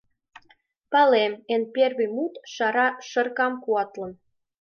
Палем, «эн первый» мут шара шыркам куатлын